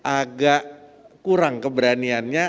agak kurang keberaniannya